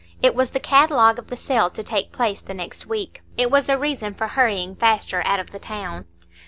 It was the catalogue of the sale to take place the next week; it was a reason for hurrying faster out of the town.